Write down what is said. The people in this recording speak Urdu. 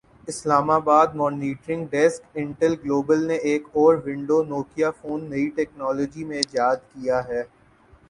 اسلام آباد مانیٹرنگ ڈیسک انٹل گلوبل نے ایک اور ونڈو نوکیا فون نئی ٹیکنالوجی میں ایجاد کیا ہے